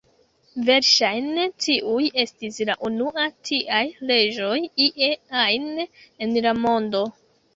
Verŝajne, tiuj estis la unua tiaj leĝoj ie ajn en la mondo.